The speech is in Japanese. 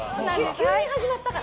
急に始まったから！